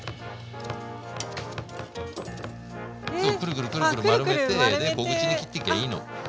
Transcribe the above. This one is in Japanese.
くるくるくる丸めて小口に切ってきゃいいの。